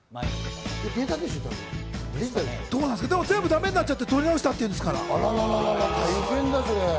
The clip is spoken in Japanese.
全部だめになっちゃって撮り直したって言うんですから。